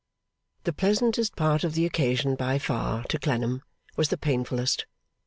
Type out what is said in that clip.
The pleasantest part of the occasion by far, to Clennam, was the painfullest.